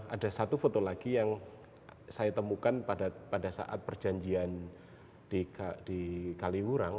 ada satu foto lagi yang saya temukan pada saat perjanjian di kaliwurang